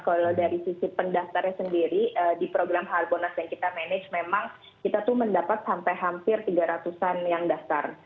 kalau dari sisi pendaftarnya sendiri di program harbonas yang kita manage memang kita tuh mendapat sampai hampir tiga ratus an yang daftar